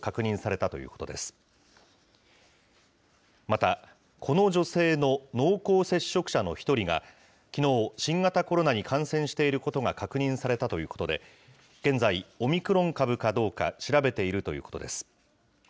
また、この女性の濃厚接触者の一人が、きのう新型コロナに感染していることが確認されたということで、現在、オミクロン株かどうか調べているということです。